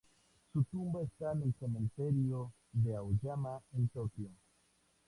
Su tumba está en el cementerio de Aoyama en Tokio.